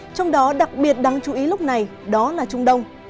trong đó đặc biệt đáng chú ý lúc này đó là trung đông